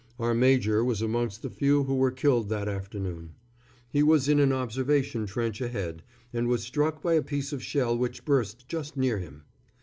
Our major was amongst the few who were killed that afternoon. He was in an observation trench ahead, and was struck by a piece of shell which burst just near him.